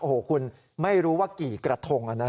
โอ้โหคุณไม่รู้ว่ากี่กระทง